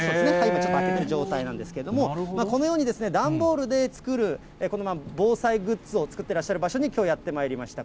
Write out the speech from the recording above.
ちょっと開けてる状態なんですけど、このように、段ボールで作るこの防災グッズを作ってらっしゃる場所にきょう、やってまいりました。